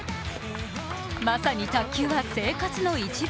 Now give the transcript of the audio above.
まさに卓球は生活の一部。